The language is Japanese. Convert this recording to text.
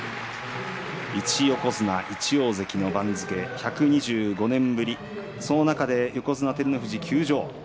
１横綱１大関の番付１２５年ぶり、その中で横綱照ノ富士、休場。